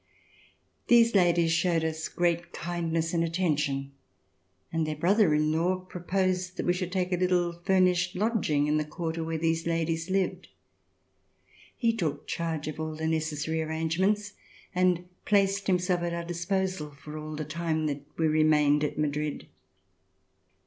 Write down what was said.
These ladies showed us great kindness and attention and their brother in law pro [253 ] RECOLLECTIONS OF THE REVOLUTION posed that we should take a Httle furnished lodging in the quarter where these ladies lived. He took charge of all the necessary arrangements and placed himself at our disposal for all the time that we re mained at Madrid.